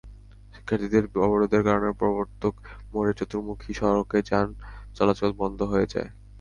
শিক্ষার্থীদের অবরোধের কারণে প্রবর্তক মোড়ের চতুর্মুখী সড়কে যান চলাচল বন্ধ হয়ে যায়।